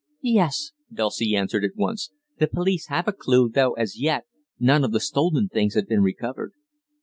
"Yes," Dulcie answered at once, "the police have a clue, though, as yet, none of the stolen things have been recovered."